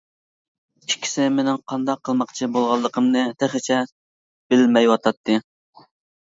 ئىككىسى مېنىڭ قانداق قىلماقچى بولغانلىقىمنى تېخىچە بىلمەيۋاتاتتى.